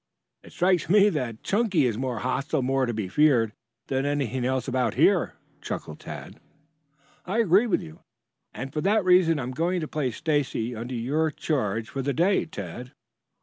"It strikes me that Chunky is more hostile, more to be feared, than anything else about here," chuckled Tad. "I agree with you, and for that reason I am going to place Stacy under your charge for the day, Tad."